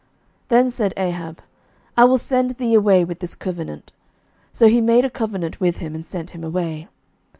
Then said Ahab, I will send thee away with this covenant. So he made a covenant with him, and sent him away.